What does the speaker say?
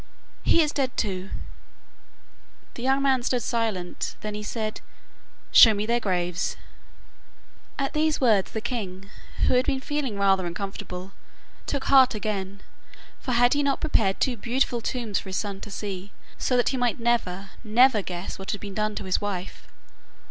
'He is dead too.' The young man stood silent. Then he said, 'Show me their graves.' At these words the king, who had been feeling rather uncomfortable, took heart again, for had he not prepared two beautiful tombs for his son to see, so that he might never, never guess what had been done to his wife?